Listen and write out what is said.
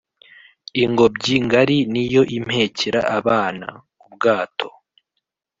Ingobyi ngari ni yo impekera abana-Ubwato.